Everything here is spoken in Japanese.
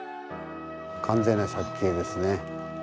完全な借景ですね。